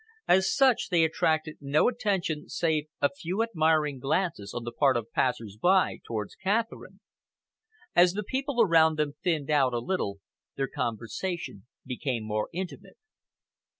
As such they attracted no attention save a few admiring glances on the part of passers by towards Catherine. As the people around them thinned out a little, their conversation became more intimate.